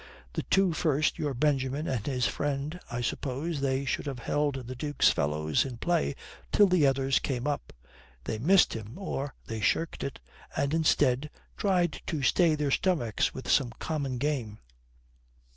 The two first, your Benjamin and his friend, I suppose they should have held the Duke's fellows in play till the others came up. They missed him, or they shirked it, and instead, tried to stay their stomachs with some common game.